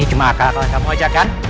ini cuma akal kalau kamu ajak kan